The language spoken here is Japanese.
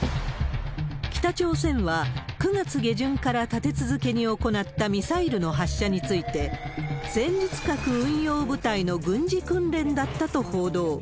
北朝鮮は、９月下旬から立て続けに行ったミサイルの発射について、戦術核運用部隊の軍事訓練だったと報道。